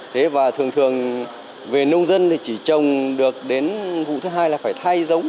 thế và thường thường về nông dân thì chỉ trồng được đến vụ thứ hai là phải thay giống